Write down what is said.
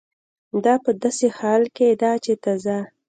دا په داسې حال کې ده چې تازه